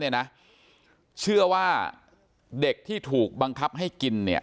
เชื่อว่าเด็กที่ถูกบังคับให้กินเนี่ย